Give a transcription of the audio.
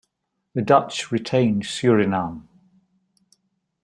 The Dutch retained Suriname.